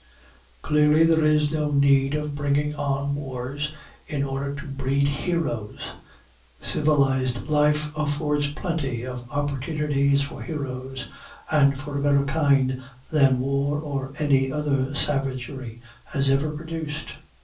Clearly, there is no need of bringing on wars in order to breed heroes. Civilized life affords plenty of opportunities for heroes, and for a better kind than war or any other savagery has ever produced.